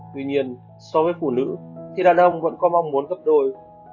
tuy nhiên so với phụ nữ thì đàn ông vẫn có mong muốn gấp đôi